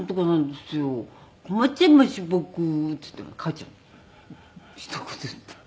「困っちゃいましゅ僕」って言って帰っちゃうのひと言言って。